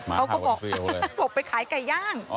เขาก็บอกกบไปขายไก่ย่าง